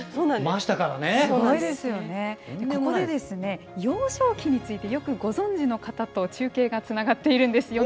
ここで、幼少期についてよくご存じの方と中継がつながっているんです。